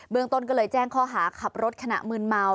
เมืองต้นก็เลยแจ้งข้อหาขับรถขณะมืนเมา